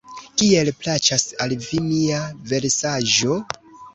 Kiel plaĉas al vi mia versaĵo?